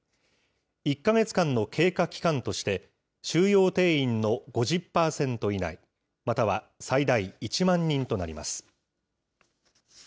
１か月間の経過期間として、収容定員の５０％以内、または最大１万人となります。